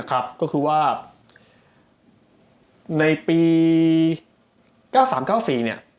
ก็คือว่าในปี๙๓๙๔เนี่ย